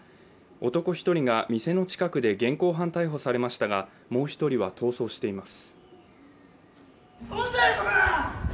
男１人が店の近くで現行犯逮捕されましたがもう１人は逃走しています。